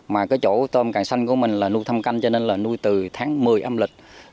mà cái chỗ tôm càng xanh của mình là nuôi thâm canh cho nên là nuôi từ tháng một mươi âm lịch